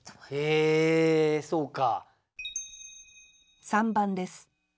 へえそうか。